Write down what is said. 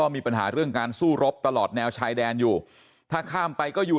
มีปัญหาเรื่องการสู้รบตลอดแนวชายแดนอยู่ถ้าข้ามไปก็อยู่